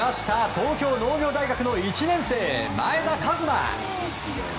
東京農業大学１年生、前田和摩。